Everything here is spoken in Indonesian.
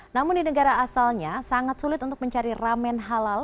namun di negara asalnya sangat sulit untuk mencari ramen halal